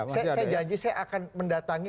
saya janji saya akan mendatangi